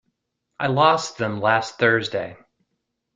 I lost them last Thursday.